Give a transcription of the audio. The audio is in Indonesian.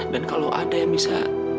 dan kalau ada yang bisa